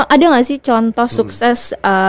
ada nggak sih contoh sukses